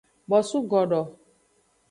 Bosu godo.